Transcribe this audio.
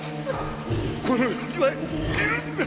この世にはいるんだよ